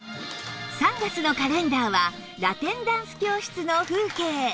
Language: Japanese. ３月のカレンダーはラテンダンス教室の風景